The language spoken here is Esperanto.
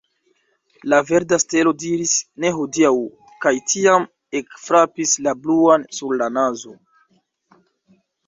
La verda stelo diris, ne hodiaŭ, kaj tiam ekfrapis la bluan sur la nazo.